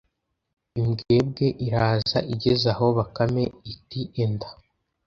Imbwebwe iraza igeze aho Bakame iti Enda